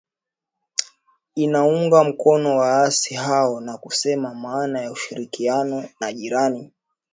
inaunga mkono waasi hao na kusema maana ya ushirikiano na jirani